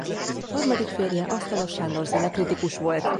Harmadik férje Asztalos Sándor zenekritikus volt.